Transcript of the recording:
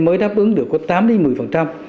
mới đáp ứng được có tám đến một mươi